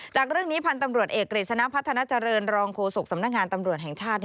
จากเรื่องนี้พันธ์ตำรวจเอกกฤษณะพัฒนาเจริญรองโฆษกสำนักงานตำรวจแห่งชาติ